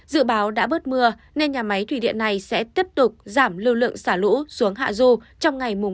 dự báo đã bớt mưa nên nhà máy thủy điện này sẽ tiếp tục giảm lưu lượng xả lũ xuống hạ dô trong ngày một một mươi hai